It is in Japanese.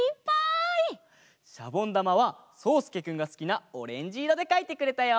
シャボンだまはそうすけくんがすきなオレンジいろでかいてくれたよ！